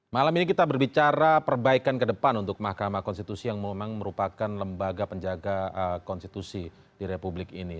malam ini kita berbicara perbaikan ke depan untuk mahkamah konstitusi yang memang merupakan lembaga penjaga konstitusi di republik ini